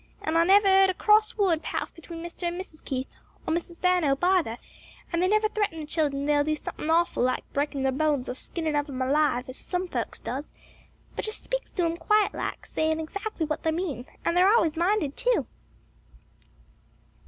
And I never 'eard a cross word pass between Mr. and Mrs. Keith or Mrs. Stan'ope heither, and they never threaten the children they'll do something hawful like breakin' their bones or skinnin' of 'em alive, has some folks does; but just speaks to 'em quiet like, sayin' exactly what they mean: and they're always minded too."